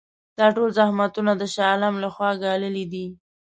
دا ټول زحمتونه د شاه عالم لپاره ګاللي دي.